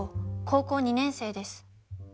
高校２年生です。